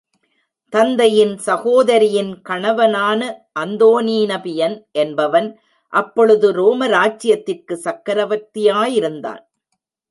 தந்தையின் சகோதரியின் கணவனான அந்தோனீன பியன் என்பவன் அப்பொழுது ரோம ராஜ்யத்திற்குச் சக்ரவர்த்தியாயிருந்தான்.